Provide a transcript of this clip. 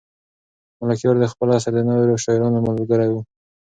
ملکیار د خپل عصر د نورو شاعرانو ملګری و.